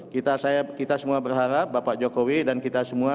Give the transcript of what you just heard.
kita semua berharap bapak jokowi dan kita semua